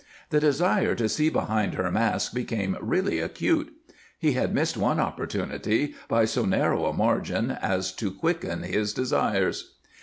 The desire to see behind her mask became really acute. He had missed one opportunity by so narrow a margin as to quicken his desires.